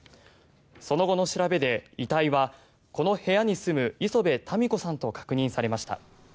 その後の調べで遺体はこの部屋に住む礒邊たみ子さんと確認されました。